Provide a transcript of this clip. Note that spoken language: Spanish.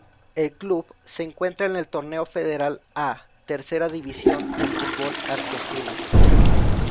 El club se encuentra en el Torneo Federal A, tercera división del fútbol argentino.